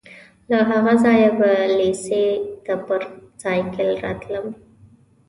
له هغه ځایه به لېسې ته پر سایکل راتلم.